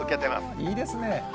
いいですね。